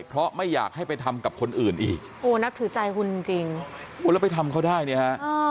เพราะไม่อยากให้ไปทำกับคนอื่นอีกโอ้นับถือใจคุณจริงแล้วไปทำเขาได้เนี่ยฮะ